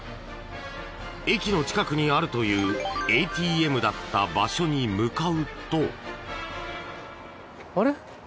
駅の近くにあるというＡＴＭだった場所に向かうと。